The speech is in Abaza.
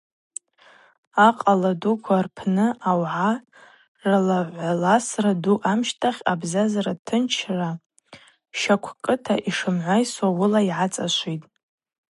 Акъала дуква рпны ауагӏа ралагӏваласра ду амщтахь абзазара тынчта, щаквкӏыта йшымгӏвайсуа уыла йгӏацӏашвитӏ.